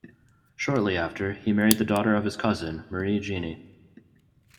Shortly after he married the daughter of his cousin, Marie-Jeanne.